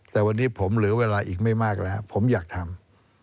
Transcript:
แต่วันนี้ผมเหลือเวลาอีกไม่มากแล้วผมอยากทำ